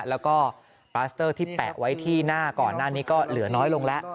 แล้วก็ปลาสเตอร์ที่แปะไว้ที่หน้าก่อนหน้านี้ก็เหลือน้อยลงแล้ว